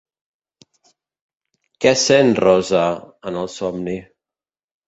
Què sent Rose en el somni?